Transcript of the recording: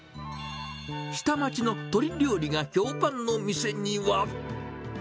下町の鶏料理が評判の店には。